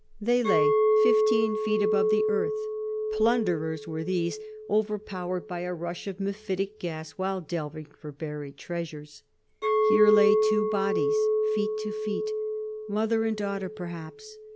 They lay fifteen feet above the earth. Plunderers were these, overpowered by a rush of mephitic gas while delving for buried treasures. Here lay two bodies, feet to feet mother and daughter, perhaps.